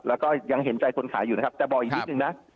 แล้วก็ยังเห็นใจคนขายอยู่นะครับแต่บอกอีกนิดนึงนะ